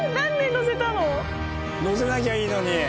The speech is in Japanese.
のせなきゃいいのに。